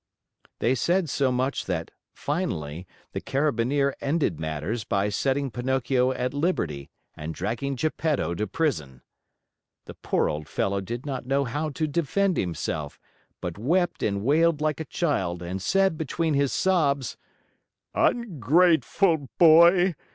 They said so much that, finally, the Carabineer ended matters by setting Pinocchio at liberty and dragging Geppetto to prison. The poor old fellow did not know how to defend himself, but wept and wailed like a child and said between his sobs: "Ungrateful boy!